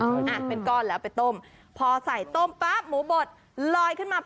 อ่ะเป็นก้อนแล้วไปต้มพอใส่ต้มปั๊บหมูบดลอยขึ้นมา